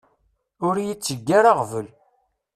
Ur iyi-tteg ara aɣbel.